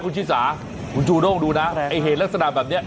คุณชิสาคุณจูด้งดูนะไอ้เหตุลักษณะแบบนี้